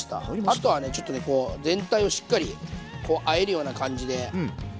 あとはねちょっとねこう全体をしっかりこうあえるような感じで。